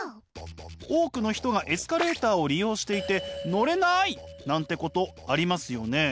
多くの人がエスカレーターを利用していて乗れない！なんてことありますよね？